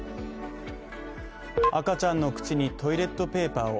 赤ちゃんの口にトイレットペーパーを。